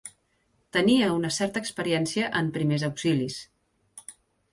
Tenia una certa experiència en primers auxilis